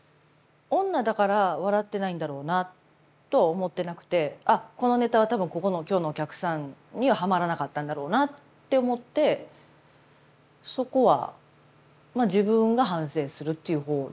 女だから笑ってないんだろうなとは思ってなくてあっこのネタは多分ここの今日のお客さんにはハマらなかったんだろうなって思ってそこはまあ自分が反省するっていう方でしたけどね